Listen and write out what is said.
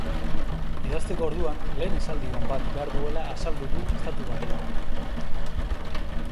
Idazteko orduan lehen esaldi on bat behar duela azaldu du estatubatuarrak.